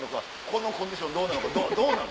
このコンディションどうなのかどうなの？